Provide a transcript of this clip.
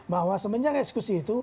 bahwa semenjak ekskusi itu